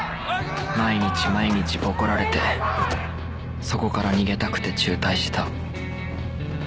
［毎日毎日ボコられてそこから逃げたくて中退した］